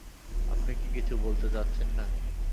আপনি কি কিছু বলতে চাচ্ছেন না?